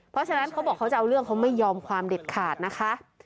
เพราะฉะนั้นเขาบอกเขาจะเอาเรื่องเขาไม่ยอมความเด็ดขาดนะคะ